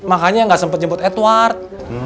makanya gak sempet jemput edward